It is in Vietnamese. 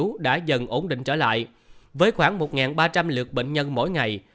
bệnh viện giả liễu đã dần ổn định trở lại với khoảng một ba trăm linh lượt bệnh nhân mỗi ngày